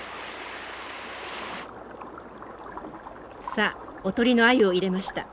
さあおとりのアユを入れました。